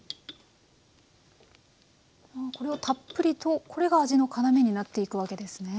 これをたっぷりとこれが味の要になっていくわけですね。